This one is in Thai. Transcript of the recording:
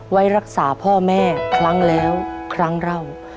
ไว้รักษาพ่อแม่ครั้งแล้วครั้งเล่า